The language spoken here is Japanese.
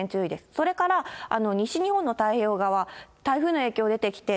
それから西日本の太平洋側、台風の影響が出てきて、